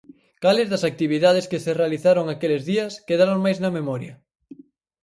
Cales das actividades que se realizaron aqueles días quedaron máis na memoria?